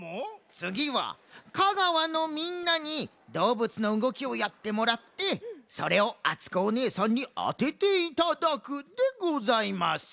つぎは香川のみんなにどうぶつのうごきをやってもらってそれをあつこおねえさんにあてていただくでございます。